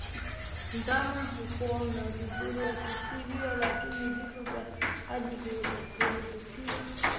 Ndama hupona vizuri wakitibiwa lakini vifo vya hadi huripotiwa